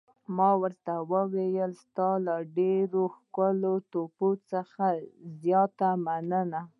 ما ورته وویل: ستا له ډېرو او ښکلو تحفو څخه زیاته مننه.